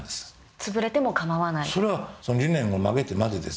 潰れても構わない？